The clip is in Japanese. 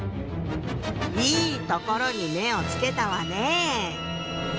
いいところに目をつけたわね！